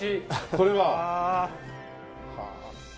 これは。